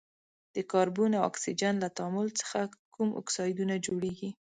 د کاربن او اکسیجن له تعامل څخه کوم اکسایدونه جوړیږي؟